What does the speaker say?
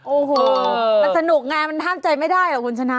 โอ้โหมันสนุกไงมันห้ามใจไม่ได้หรอกคุณชนะ